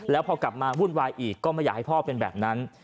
แล้วพอกลับมาวุ่นวายอีกก็ไม่อยากให้พ่อเป็นแบบนั้น